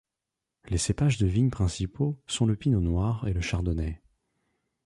Les cépages de vigne principaux sont le Pinot noir et le Chardonnay.